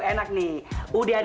kayaknya udah enak